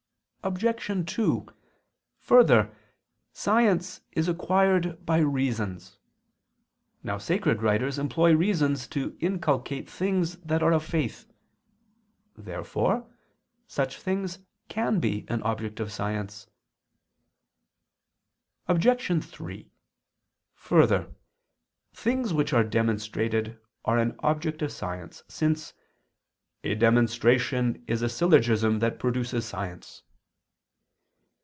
Obj. 2: Further, science is acquired by reasons. Now sacred writers employ reasons to inculcate things that are of faith. Therefore such things can be an object of science. Obj. 3: Further, things which are demonstrated are an object of science, since a "demonstration is a syllogism that produces science."